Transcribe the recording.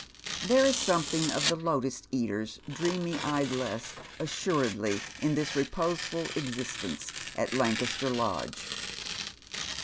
There is buiautliing oj; the lutus eater's dreamy idlesse assuredly iu this reposeful existence at Lancaster Lodge.